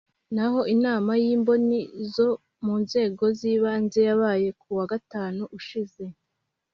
naho inama y’imboni zo mu nzego z’ibanze yabaye ku wa gatanu ushize